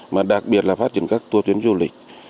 mà đặc biệt là phát triển các tour tuyến du lịch